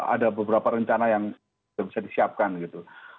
ada beberapa rencana yang bisa disiapkan gitu